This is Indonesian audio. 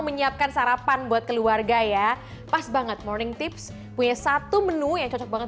menyiapkan sarapan buat keluarga ya pas banget morning tips punya satu menu yang cocok banget